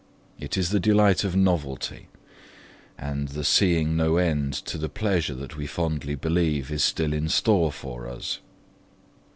It is the delight of novelty, and the seeing no end to the pleasure that we fondly believe is still in store for us.